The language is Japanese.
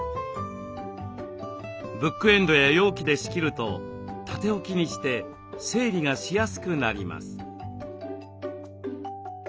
ブックエンドや容器で仕切ると縦置きにして整理がしやすくなります。